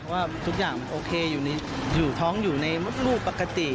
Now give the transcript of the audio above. ว่าทุกอย่างโอเคท้องอยู่ในลูกปกติ